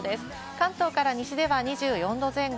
関東から西では２４度前後。